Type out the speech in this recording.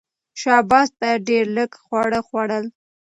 شاه عباس به ډېر لږ خواړه خوړل.